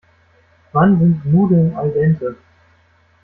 Wann sind Nudeln al dente?